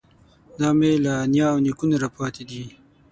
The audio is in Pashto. دا مې له نیا او نیکونو راپاتې دی.